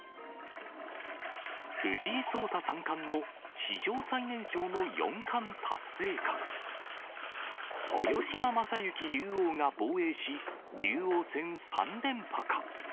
藤井聡太三冠の史上最年少の四冠達成か、豊島将之竜王が防衛し、竜王戦３連覇か。